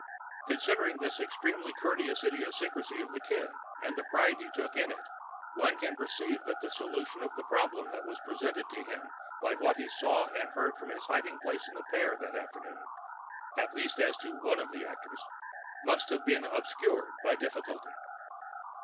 Considering this extremely courteous idiosyncrasy of the Kid and the pride he took in it, one can perceive that the solution of the problem that was presented to him by what he saw and heard from his hiding place in the pear that afternoon (at least as to one of the actors) must have been obscured by difficulties.